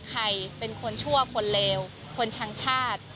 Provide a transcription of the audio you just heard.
ใครเป็นคนชั่วคนเลวคนช่างชาติ